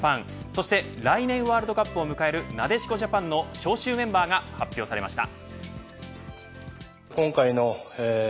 そして、来年ワールドカップを迎えるなでしこジャパンの招集メンバーが発表されました。